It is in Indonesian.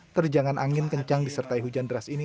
terjangan angin kencang disertai hujan deras ini